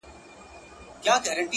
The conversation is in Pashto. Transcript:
څو؛ د ژوند په دې زوال کي کړې بدل”